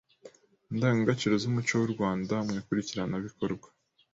Indangagaciro z’umuco w’u Rwanda mu ikurikiranabikorwa